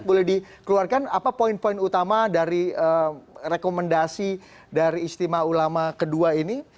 boleh dikeluarkan apa poin poin utama dari rekomendasi dari istimewa ulama kedua ini